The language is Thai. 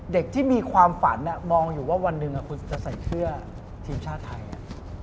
ที่มีความฝันมองอยู่ว่าวันหนึ่งคุณจะใส่เสื้อทีมชาติไทย